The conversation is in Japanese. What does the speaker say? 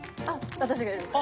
私がやります。